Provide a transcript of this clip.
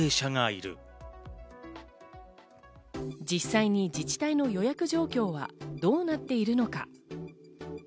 実際に自治体の予約状況はどうなっているのか？